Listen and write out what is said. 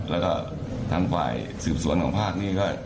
แล้วก็ทางฝ่ายสืบสวนของภาคนี้ก็